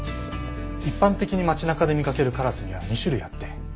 一般的に街中で見かけるカラスには２種類あって。